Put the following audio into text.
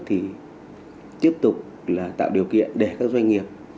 thì tiếp tục là tạo điều kiện để các doanh nghiệp